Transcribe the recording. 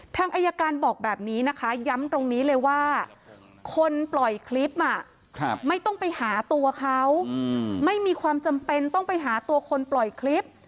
ทางอายการบอกแบบนี้นะคะย้ำตรงนี้เลยว่าคนปล่อยคลิปไม่ต้องไปหาตัวเขาไม่มีความจำเป็นต้องไปหาตัวคนปล่อยคลิป